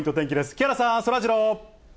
木原さん、そらジロー。